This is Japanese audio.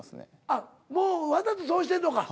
もうわざとそうしてるのか？